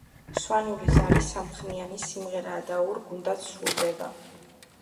სვანური ზარი სამხმიანი სიმღერაა და ორ გუნდად სრულდება.